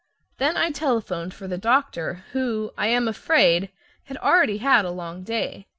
Then I telephoned for the doctor, who, I am afraid, had already had a long day.